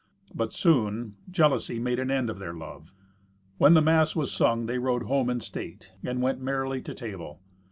But soon jealousy made an end of their love. When the mass was sung they rode home in state, and went merrily to table.